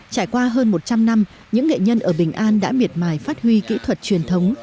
trải qua hơn một trăm linh năm những nghệ nhân ở bình an đã miệt mài phát huy kỹ thuật truyền thống